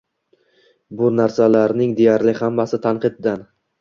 Bu narsalarning deyarli hammasi tanqiddan.